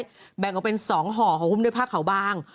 กิ้งใช้แบ่งเอาเป็น๒ห่อของคุมในผ้าข่าวบาง